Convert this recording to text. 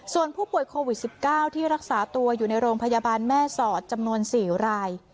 ส่วนผู้ป่วยโควิดสิบเก้าที่รักษาตัวอยู่ในโรงพยาบาลแม่ศอสตร์จำนวนสี่ราย